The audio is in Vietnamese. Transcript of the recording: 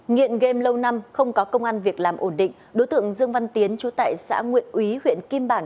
nghiện game lâu năm không có công an việc làm ổn định đối tượng dương văn tiến chú tại xã nguyện úy huyện kim bảng